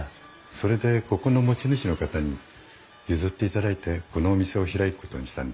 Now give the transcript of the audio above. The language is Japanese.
それでここの持ち主の方に譲っていただいてこのお店を開くことにしたんです。